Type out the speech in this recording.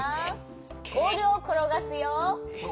ボールをころがすよ。